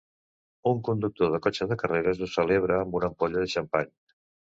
Un conductor de cotxe de carreres ho celebra amb una ampolla de xampany.